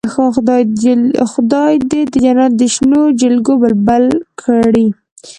خدای دې د جنت د شنو جلګو بلبل کړي.